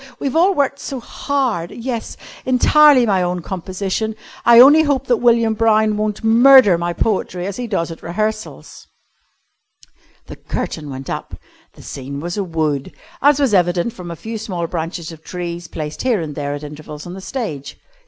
We've all worked so hard. Yes, entirely my own composition. I only hope that William Brown won't murder my poetry as he does at rehearsals." The curtain went up. The scene was a wood, as was evident from a few small branches of trees placed here and there at intervals on the stage.